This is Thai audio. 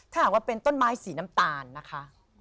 ถ้าเป็นต้นไม้สีน้ำตาลนะคะ